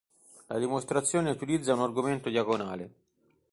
La dimostrazione utilizza un argomento diagonale.